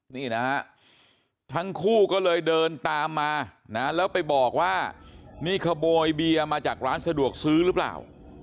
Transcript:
นี่นะฮะทั้งคู่ก็เลยเดินตามมานะแล้วไปบอกว่านี่ขโมยเบียร์มาจากร้านสะดวกซื้อหรือเปล่า